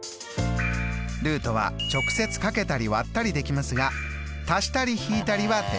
ルートは直接かけたり割ったりできますが足したり引いたりはできません。